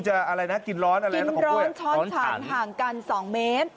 จะอะไรนะกินร้อนแบบคนของปุ้ยร้อนช้อนชันห่างกัน๒เมตร